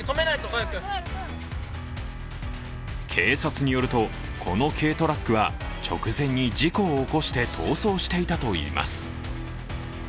警察によると、この軽トラックは直前に事故を起こして逃走していたといいます